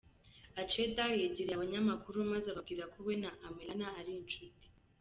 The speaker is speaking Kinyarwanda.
Aceda yegereye abanyamakuru maze ababwira ko we na Amellena ari inshuti.